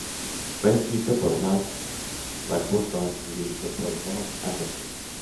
Fue escrito por Matt Warburton y dirigido por Bob Anderson.